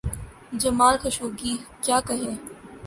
جمال Khashoggi… کیا کہیں؟